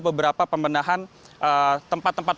beberapa pemindahan tempat tempat